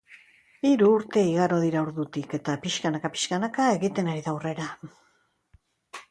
Hiru urte igaro dira ordutik, eta pixkanaka-pixkanaka egiten ari da aurrera.